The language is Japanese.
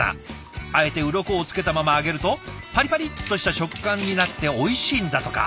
あえてウロコをつけたまま揚げるとパリパリッとした食感になっておいしいんだとか。